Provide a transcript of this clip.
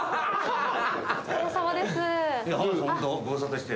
お疲れさまです。